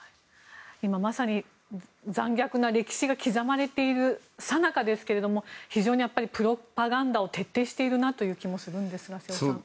今、まさに残虐な歴史が刻まれているさなかですけども非常にプロパガンダを徹底しているという気もするんですが。